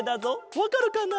わかるかな？